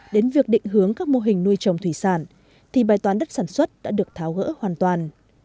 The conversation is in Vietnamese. đến việc định hướng các mô hình nuôi trồng thủy sản thì bài toán đất sản xuất đã được tháo gỡ hoàn toàn